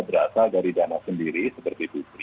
berasal dari dana sendiri seperti itu